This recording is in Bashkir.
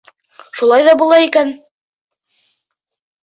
— Шулай ҙа була икән.